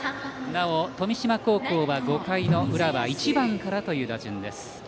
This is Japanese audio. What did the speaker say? なお、富島高校は５回の裏は１番からという打順。